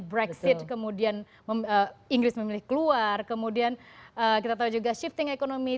brexit kemudian inggris memilih keluar kemudian kita tahu juga shifting ekonomi